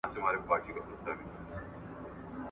دغه مواد د احساس او بیدارۍ سره تړلي دي.